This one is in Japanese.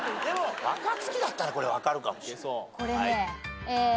でも若槻だったらこれ分かるかもしれない。